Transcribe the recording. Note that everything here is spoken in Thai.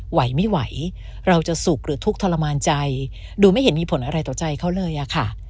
ไหวไม่ไหวเราจะสุขหรือทุกข์ทรมานใจดูไม่เห็นมีผลอะไรต่อใจเขาเลยอะค่ะ